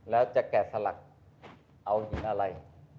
แล้วจะแกะสลักเอาหินอะไร